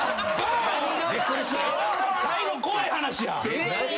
最後怖い話や。